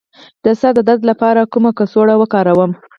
د سر د درد لپاره کومه کڅوړه وکاروم؟